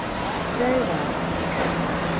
"Very well," said Sally.